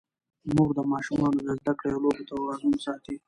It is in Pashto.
مور د ماشومانو د زده کړې او لوبو توازن ساتي.